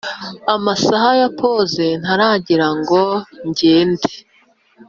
amasaha ya pose ntaragera ngo ngende